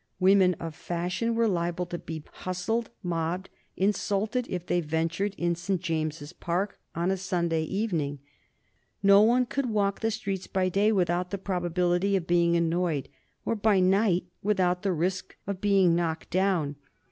Women of fashion were liable to be hustled, mobbed, insulted if they ventured in St. James's Park on a Sunday evening. No one could walk the streets by day without the probability of being annoyed, or by night without the risk of being knocked down.